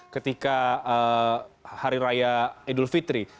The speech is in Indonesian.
ketika hari raya idul fitri